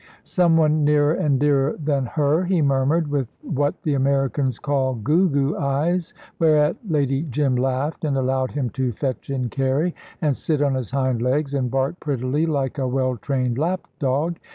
"Some one nearer and dearer than her!" he murmured, with what the Americans call "goo goo" eyes, whereat Lady Jim laughed, and allowed him to fetch and carry, and sit on his hind legs and bark prettily, like a well trained lap dog.